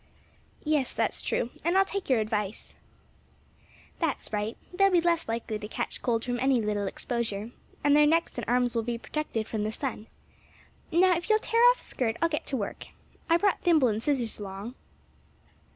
"Yes, that's true; and I'll take your advice." "That's right; they'll be less likely to catch cold from any little exposure, and their necks and arms will be protected from the sun. Now, if you'll tear off a skirt, I'll get to work. I brought thimble and scissors along."